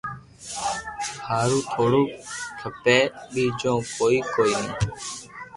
ھارو ٿوڙو کپي ٻيجو ڪوئي ڪوئي ني